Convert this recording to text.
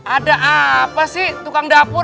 ada apa sih tukang dapur